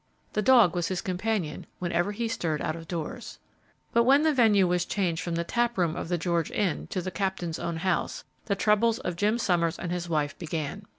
The dog was his companion whenever he stirred out of doors. But when the venue was changed from the tap room of the George Inn to the Captain's own house, the troubles of Jim Summers and his wife began.